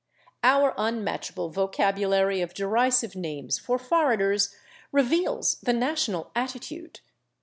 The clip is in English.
Our unmatchable vocabulary of derisive names for foreigners reveals the national attitude.